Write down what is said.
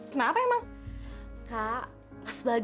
padamu sama jodoh